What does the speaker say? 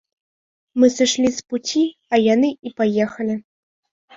Мы сышлі з пуці, а яны і паехалі.